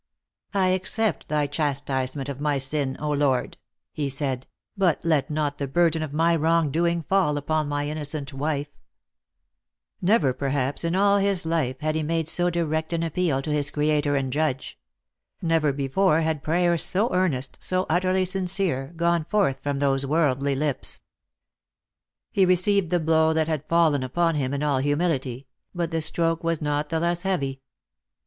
"I accept thy chastisement of my sin, O Lord," he said; "but let not the burden of my wrong doing fall upon my innocent wife !" Never perhaps in all his life had he made so direct an appeal to his Creator and Judge ; never before had prayer so earnest, so utterly sincere, gone forth from those worldly lips. 296 Lost for Love. He received the blow that had fallen upon him in all humility, but the stroke was not the less heavy.